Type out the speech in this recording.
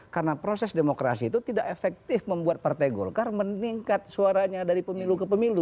karena proses demokrasi itu tidak efektif membuat partai golkar meningkat suaranya dari pemilu ke pemilu